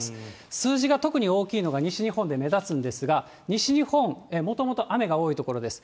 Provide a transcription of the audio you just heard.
数字が特に大きいのが西日本で目立つんですが、西日本、もともと雨が多い所です。